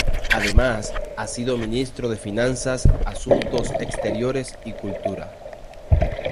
Además ha sido ministro de finanzas, asuntos exteriores y cultura.